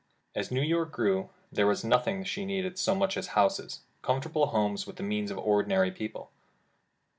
As New York grew, there was nothing she needed so much as houses, comfortable homes within the means of ordinary people.